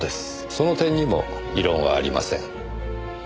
その点にも異論はありません。